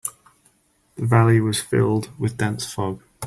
The valley was filled with dense fog.